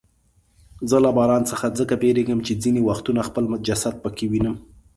زه له باران څخه ځکه بیریږم چې ځیني وختونه خپل جسد پکې وینم.